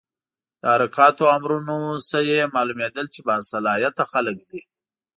له حرکاتو او امرونو نه یې معلومېدل چې با صلاحیته خلک دي.